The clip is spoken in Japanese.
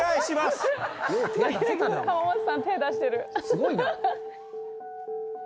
すごいな！